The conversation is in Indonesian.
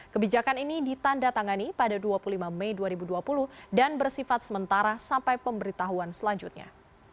kebijakan ini ditanda tangani pada dua puluh lima mei dua ribu dua puluh dan bersifat sementara sampai pemberitahuan selanjutnya